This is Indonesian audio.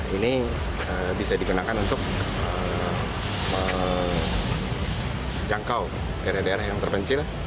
ini bisa digunakan untuk menjangkau daerah daerah yang terpencil